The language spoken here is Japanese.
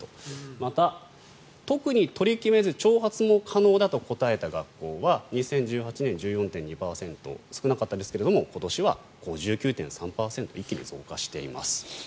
また、特に取り決めず長髪も可能だと答えた学校は２０１８年、１４．２％少なかったですが今年は５９．３％一気に増加しています。